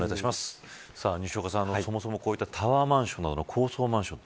西岡さん、そもそもこうしたタワーマンションのような高層マンション